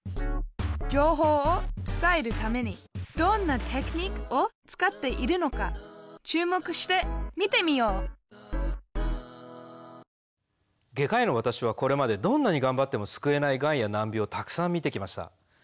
情報を伝えるためにどんなテクニックを使っているのか注目して見てみよう外科医のわたしはこれまでどんなにがんばっても救えないガンや難病をたくさん見てきました。